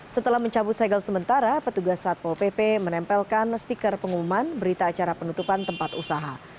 setelah mencabut segel sementara petugas satpol pp menempelkan stiker pengumuman berita acara penutupan tempat usaha